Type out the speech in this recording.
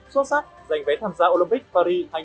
xuất sắc giành vé tham gia olympic paris hai nghìn hai mươi bốn